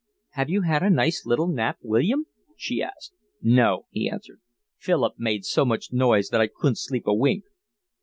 "Have you had a nice little nap, William?" she asked. "No," he answered. "Philip made so much noise that I couldn't sleep a wink."